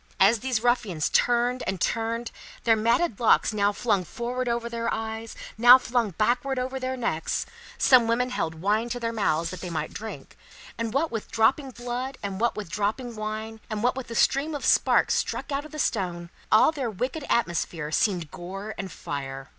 As these ruffians turned and turned, their matted locks now flung forward over their eyes, now flung backward over their necks, some women held wine to their mouths that they might drink; and what with dropping blood, and what with dropping wine, and what with the stream of sparks struck out of the stone, all their wicked atmosphere seemed gore and fire.